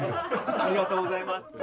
ありがとうございます。